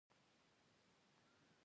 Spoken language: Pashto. هېرول نجات نه دی.